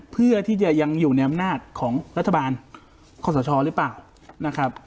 เพื่อที่จะยังอยู่ในอำนาจของรัฐบาลคอสชหรือเปล่านะครับ